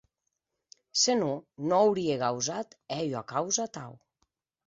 Se non, non aurie gausat hèr ua causa atau.